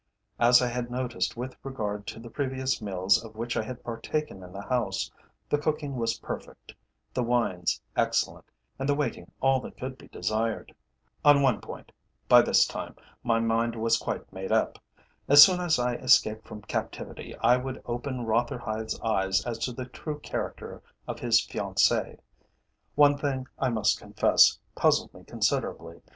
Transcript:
As I had noticed with regard to the previous meals of which I had partaken in the house, the cooking was perfect, the wines excellent, and the waiting all that could be desired. On one point, by this time, my mind was quite made up. As soon as I escaped from captivity, I would open Rotherhithe's eyes as to the true character of his fiancée. One thing, I must confess, puzzled me considerably.